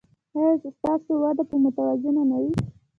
ایا ستاسو وده به متوازنه نه وي؟